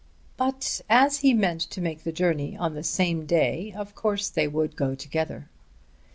But as he meant to make the journey on the same day of course they would go together.